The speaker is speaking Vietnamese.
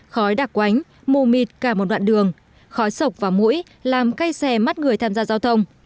khói đặc quánh mù mịt cả một đoạn đường khói sộc và mũi làm cây xe mắt người tham gia giao thông